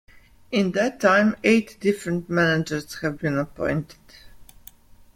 In that time eight different managers have been appointed.